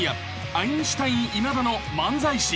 ［アインシュタイン稲田の漫才師］